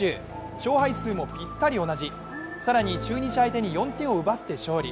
勝敗数もぴったり同じ、更に中日相手に４点奪って勝利。